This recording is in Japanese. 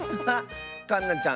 かんなちゃん